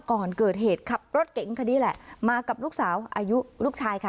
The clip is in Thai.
ก่อนเกิดเหตุขับรถเก๋งคันนี้แหละมากับลูกสาวอายุลูกชายค่ะ